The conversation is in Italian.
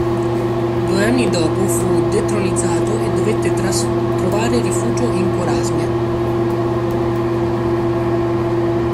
Due anni dopo fu detronizzato e dovette trovare rifugio in Corasmia.